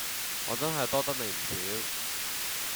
我真係多得你唔少